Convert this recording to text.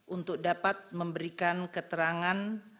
untuk dapat memberikan keterangan